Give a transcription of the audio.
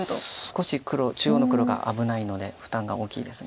少し中央の黒が危ないので負担が大きいです